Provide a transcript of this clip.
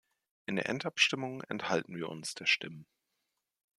In der Endabstimmung enthalten wir uns der Stimmen.